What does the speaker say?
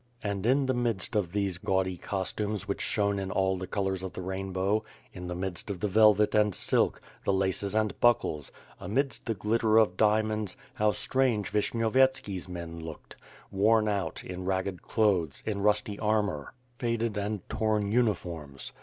And in the midst of these gaudy costumes which shone in all colors of the rainbow; in the midst of the velvet and silk, the laces and buckles; amidst the glitter of diamonds, how strange Vishnyovyetski's men looked! Worn out, in ragged clothes, in rusty armor, faded and torn uniforms.